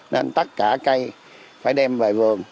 nên tất cả cây phải đem về vườn